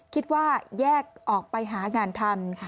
คิดว่าแยกออกไปหางานทำ